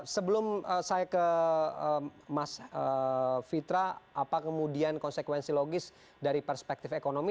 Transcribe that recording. sebelum saya ke mas fitra apa kemudian konsekuensi logis dari perspektif ekonomi